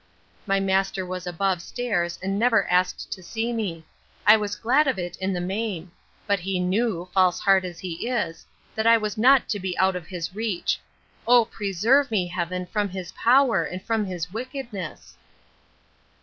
My master was above stairs, and never asked to see me. I was glad of it in the main; but he knew, false heart as he is, that I was not to be out of his reach.—O preserve me, Heaven, from his power, and from his wickedness!